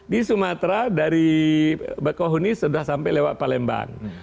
di sumatera dari bekohuni sudah sampai lewat palembang